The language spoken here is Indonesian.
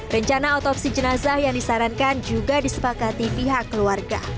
rencana otopsi jenazah yang disarankan juga disepakati pihak keluarga